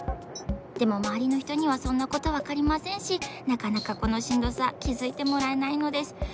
でもまわりのひとにはそんなことわかりませんしなかなかこのしんどさきづいてもらえないのです。